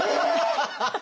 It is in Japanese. ハハハハ！